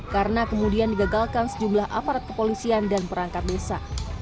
karena kemudian digagalkan sejumlah aparat kepolisian dan perangkat desa